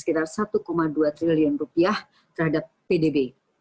sekitar satu dua triliun rupiah terhadap pdb